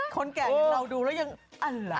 คนแก่อย่างเราดูแล้วยังอะไร